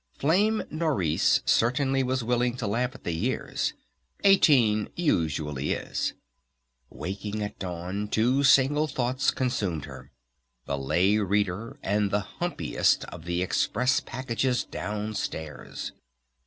Flame Nourice certainly was willing to laugh at the years. Eighteen usually is! Waking at Dawn two single thoughts consumed her, the Lay Reader, and the humpiest of the express packages downstairs.